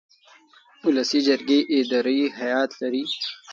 ولسي جرګې اداري هیئت لري.